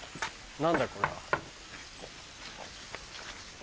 何だこれは。